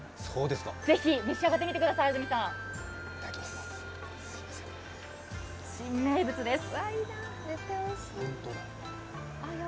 ぜひ召し上がってみてください、新名物です。